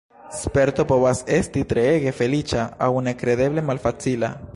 Sperto povas esti treege feliĉa aŭ nekredeble malfacila.